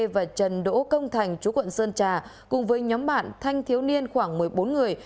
và trần đỗ công thành chú quận sơn trà cùng với nhóm bạn thanh thiếu niên khoảng một mươi bốn người